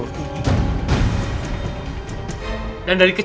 tersebut juga rasanya tidak ada